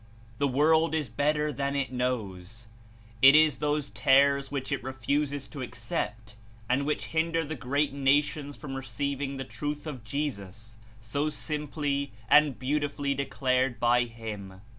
The world is bet ter than It knows. It Is those tares which It refuses to accept and which hinder the great nations from receiving the truth of Jesus, so simply and beautifully declared by him.